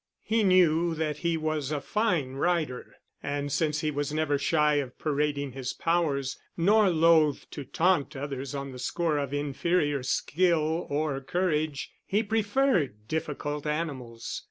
He knew that he was a fine rider, and since he was never shy of parading his powers, nor loath to taunt others on the score of inferior skill or courage, he preferred difficult animals.